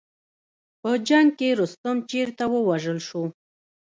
په جنګ کې رستم چېرته ووژل شو.